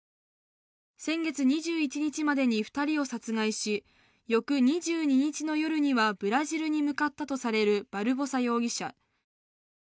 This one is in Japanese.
先月２１日までに２人を殺害し、翌２２日の夜にはブラジルに向かったとされるバルボサ容疑者。